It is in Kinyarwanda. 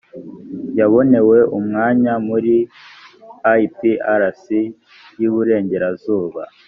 yabonewe umwanya muri iprc y’iburengerazuba